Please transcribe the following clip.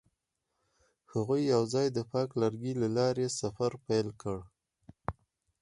هغوی یوځای د پاک لرګی له لارې سفر پیل کړ.